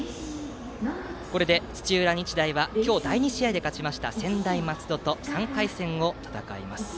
これで土浦日大は今日、第２試合で勝ちました専大松戸と３回戦を戦います。